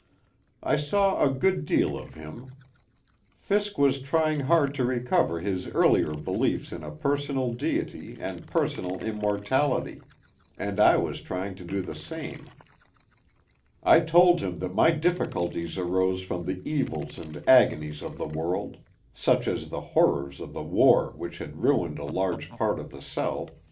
I saw a good deal of him. Fiske was trying hard to recover his earlier beliefs in a personal deity and personalimmortallty, and I was try ing to do the same. I told him that my difiiculties arose \ from the evils and agonies of the world, — such as the hor rors of the war which had ruined a large part of the South